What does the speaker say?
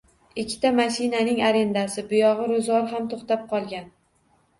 Ikkita mashinaning arendasi, buyog`i ro`zg`or, ham to`xtab qolgan